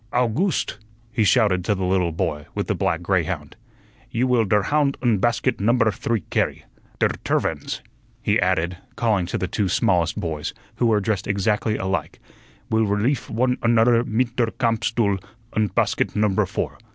"Owgooste!" he shouted to the little boy with the black greyhound, "you will der hound und basket number three carry. Der tervins," he added, calling to the two smallest boys, who were dressed exactly alike, "will releef one unudder mit der camp stuhl und basket number four.